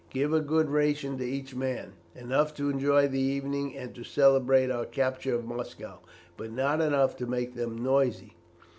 Give a good ration to each man, enough to enjoy the evening, and to celebrate our capture of Moscow, but not enough to make them noisy.